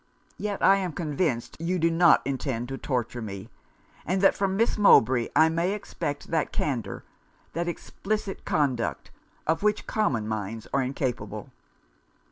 Yet I am convinced you do not intend to torture me; and that from Miss Mowbray I may expect that candour, that explicit conduct, of which common minds are incapable.